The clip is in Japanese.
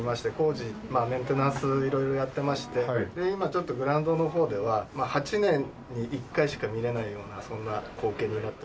工事メンテナンス色々やってまして今ちょっとグラウンドの方では８年に１回しか見れないようなそんな光景になって。